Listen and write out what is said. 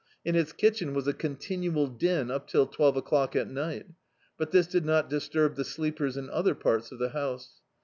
In its kitchen was a continual din up till twelve o'clock at ni^t; but this did not disturb the sleepers in other parts of the house.